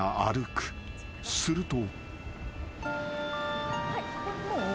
［すると］